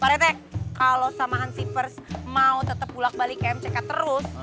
pak rete kalo sama hansi pers mau tetep bulak balik ke mck terus